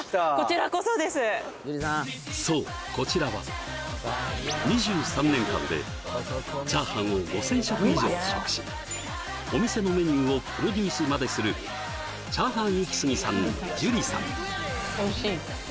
あっそうこちらは２３年間でチャーハンを５０００食以上食しお店のメニューをプロデュースまでするチャーハンイキスギさん樹里さん